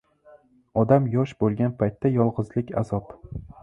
Odam yosh boʻlgan paytda yolgʻizlik – azob.